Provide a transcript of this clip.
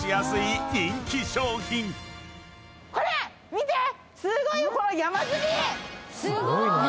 すごーい！